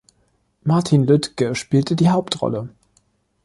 Martin Lüttge spielte die Hauptrolle.